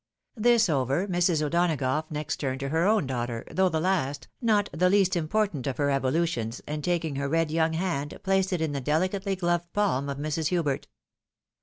This over, Mrs. O'Donagough next turned to her own daughter, though the last, not the least important of her evolutions, and taking her red young hand, placed it in the delicately gloved palm of Mrs. Hubert.